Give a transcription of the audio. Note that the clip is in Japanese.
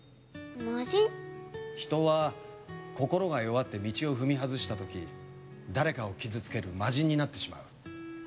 人は心が弱って道を踏み外した時誰かを傷つける魔人になってしまう。